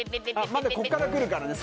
まだここからくるからね。